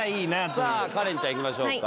さあカレンちゃんいきましょうか。